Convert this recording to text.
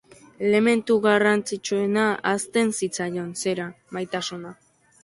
Elementu garrantzitsuena ahazten zitzaion, zera, maitasuna.